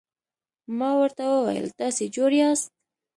ما ورته وویل: تاسي جوړ یاست؟